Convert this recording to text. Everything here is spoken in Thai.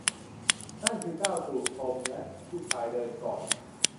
นี่คือก้าวสู่พรมและผู้ชายเดินก่อน